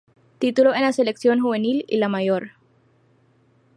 Títulos en la Selección juvenil y la mayor.